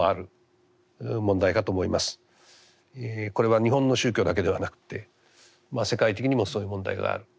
これは日本の宗教だけではなくて世界的にもそういう問題がある。